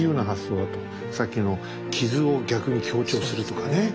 さっきの傷を逆に強調するとかね。